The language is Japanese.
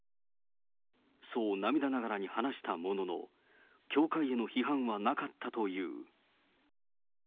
そう涙ながらに話したものの、教会への批判はなかったという。